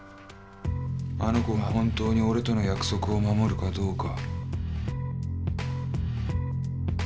あの子が本当に俺との約束を守るかどうか。